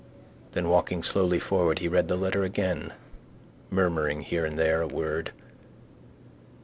Then walking slowly forward he read the letter again, murmuring here and there a word.